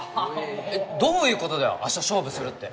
どういうことだよ明日勝負するって。